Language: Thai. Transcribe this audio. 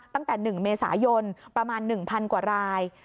ตั้งแต่๑เมษายนประมาณ๑๐๐กว่าราย